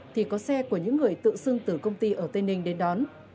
thì có xe của những người tự xưng từ công ty ở tây ninh đến đón